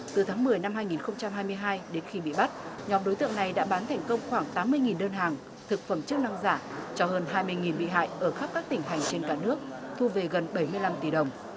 từ tháng một mươi năm hai nghìn hai mươi hai đến khi bị bắt nhóm đối tượng này đã bán thành công khoảng tám mươi đơn hàng thực phẩm chức năng giả cho hơn hai mươi bị hại ở khắp các tỉnh hành trên cả nước thu về gần bảy mươi năm tỷ đồng